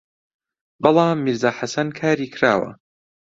بەڵام «میرزا حەسەن» کاری کراوە